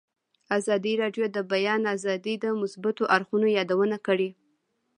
ازادي راډیو د د بیان آزادي د مثبتو اړخونو یادونه کړې.